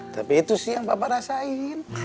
tapi itu sih yang bapak rasain